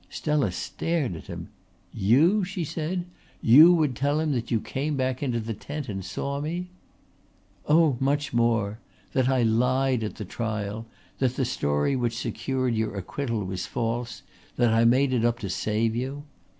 Stella stared at him. "You?" she said. "You would tell him that you came back into the tent and saw me?" "Oh, much more that I lied at the trial, that the story which secured your acquittal was false, that I made it up to save you.